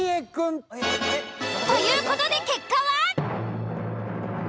という事で結果は？